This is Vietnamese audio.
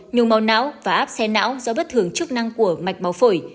nhung máu não và áp xe não do bất thường chức năng của mạch máu phổi